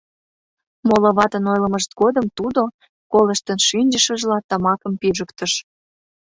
Моло ватын ойлымышт годым тудо, колыштын шинчышыжла, тамакым пижыктыш.